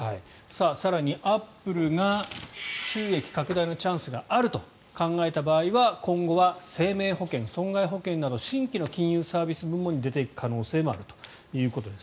更にアップルが収益拡大のチャンスがあると考えた場合は今後は生命保険、損害保険など新規の金融サービス部門に出ていく可能性もあるということです。